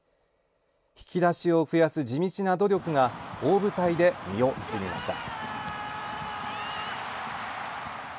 引き出しを増やす地道な努力が大舞台で実を結びました。